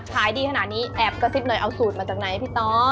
ขายดีขนาดนี้แอบกระซิบหน่อยเอาสูตรมาจากไหนพี่ต้อ